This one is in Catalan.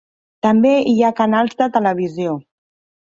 També hi ha canals de televisió.